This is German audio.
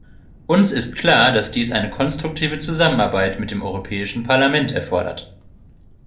Uns ist klar, dass dies eine konstruktive Zusammenarbeit mit dem Europäischen Parlament erfordert.